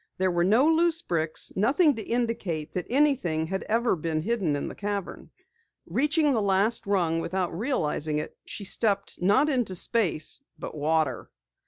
There were no loose bricks, nothing to indicate that anything ever had been hidden in the cavern. Reaching the last rung without realizing it, she stepped not into space, but water.